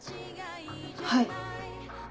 はい。